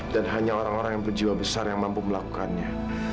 dan hanya orang orang yang berjiwa besar yang mampu melakukannya